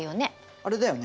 あれだよね